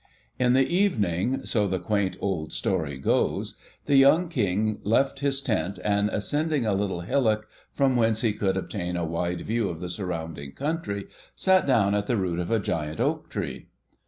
In the evening, so the quaint old story goes, the young King left his tent, and, ascending a little hillock, from whence he could obtain a wide view of the surrounding country, sat down at the root of a giant oak tree.